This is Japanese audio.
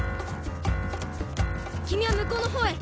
君はむこうの方へ。